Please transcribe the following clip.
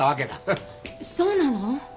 そうなの？